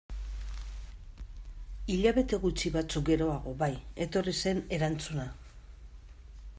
Hilabete gutxi batzuk geroago bai, etorri zen erantzuna.